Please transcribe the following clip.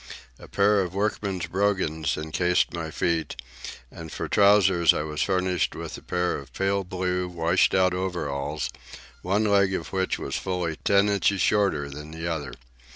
A pair of workman's brogans encased my feet, and for trousers I was furnished with a pair of pale blue, washed out overalls, one leg of which was fully ten inches shorter than the other.